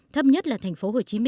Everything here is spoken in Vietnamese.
thấp nhất là tp hcm